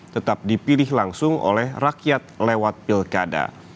tetap dipilih langsung oleh rakyat lewat pilkada